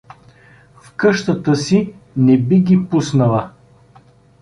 В къщата си не би ги пуснала.